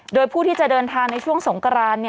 โดยผู้ที่จะเดินทางในช่วงสงกราน